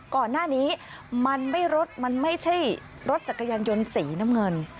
ก่อนหน้านี้มันไม่รถมันไม่ใช่รถจักรยานยนต์สีน้ำเงิน